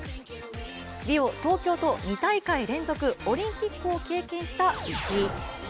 リオ、東京と２大会連続オリンピックを経験した石井。